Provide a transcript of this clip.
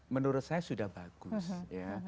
menurut saya sudah bagus